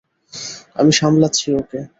আমি সামলাচ্ছি ওকে।